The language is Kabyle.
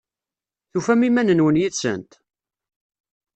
Tufam iman-nwen yid-sent?